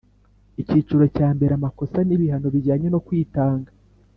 Icyiciro cya mbere Amakosa n ibihano bijyanye no kwitanga